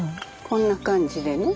こんな感じでね。